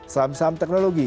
sam sam teknologi